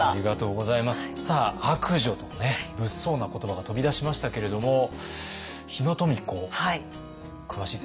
さあ「悪女」とね物騒な言葉が飛び出しましたけれども日野富子詳しいですか？